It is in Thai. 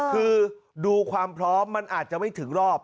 คือดูความพร้อมมันอาจจะไม่ถึงรอบ